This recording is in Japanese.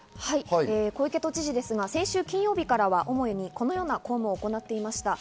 小池都知事ですが、先週金曜日からは主にこのような公務を行っていました。